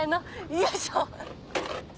よいしょ。